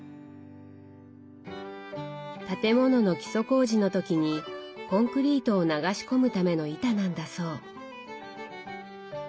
建物の基礎工事の時にコンクリートを流し込むための板なんだそう。